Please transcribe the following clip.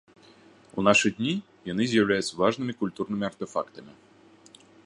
У нашы дні яны з'яўляюцца важнымі культурнымі артэфактамі.